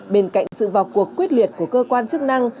bên cạnh sự vào cuộc quyết liệt của cơ quan chức năng